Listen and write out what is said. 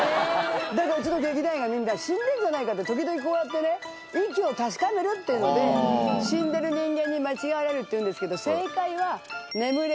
だからうちの劇団員がみんな。って時々こうやってね息を確かめるっていうので死んでる人間に間違えられるっていうんですけど正解は。